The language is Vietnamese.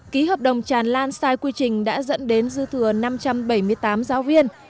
ký hợp đồng tràn lan sai quy trình đã dẫn đến dư thừa năm trăm bảy mươi tám giáo viên